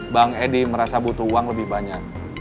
bang edi merasa butuh uangnya